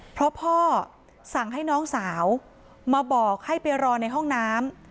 เพราะพ่อสั่งให้น้องสาวมาบอกให้ไปรอในห้องน้ำ